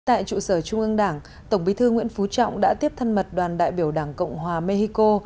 tại trụ sở trung ương đảng tổng bí thư nguyễn phú trọng đã tiếp thân mật đoàn đại biểu đảng cộng hòa mexico